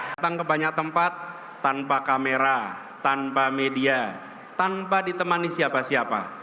datang ke banyak tempat tanpa kamera tanpa media tanpa ditemani siapa siapa